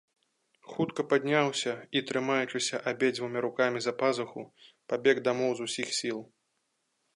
Хутка падняўся і, трымаючыся абедзвюма рукамі за пазуху, пабег дамоў з усіх сіл.